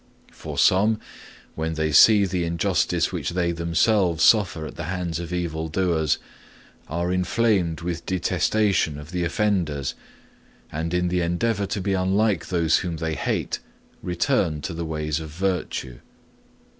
For some, when they see the injustice which they themselves suffer at the hands of evil doers, are inflamed with detestation of the offenders, and, in the endeavour to be unlike those whom they hate, return to the ways of virtue.